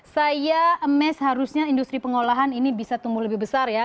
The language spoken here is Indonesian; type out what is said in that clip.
saya amaze harusnya industri pengolahan ini bisa tumbuh lebih besar ya